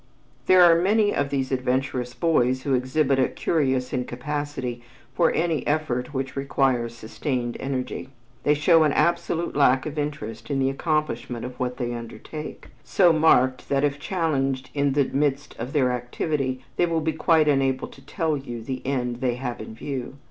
There are many of these adventurous boys who exhibit a curious incapacity for any effort which requires sustained energy. They show an absolute lack of interest in the accomplishment of what they undertake, so marked that if challenged in the midst of their activity, they will be quite unable to tell you the end they have in view.